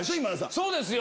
そうですよ。